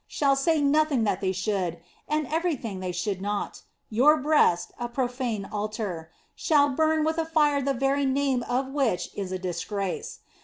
f shall say nothing that they should, and every thing they should not ; your breast, a profane altar, shall burn with a fire the very name of which is a disgrace.